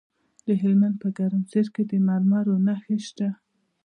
د هلمند په ګرمسیر کې د مرمرو نښې شته.